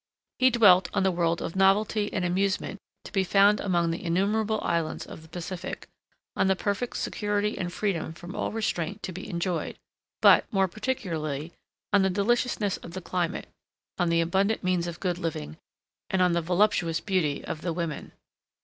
He dwelt on the world of novelty and amusement to be found among the innumerable islands of the Pacific, on the perfect security and freedom from all restraint to be enjoyed, but, more particularly, on the deliciousness of the climate, on the abundant means of good living, and on the voluptuous beauty of the women.